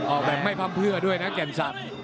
ออกแบบไม่พัมเพื่อด้วยนะแก่งซัก